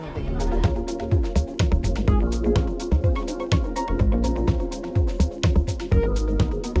itu sih investasi waktu